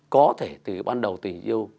có thể từ ban đầu tình yêu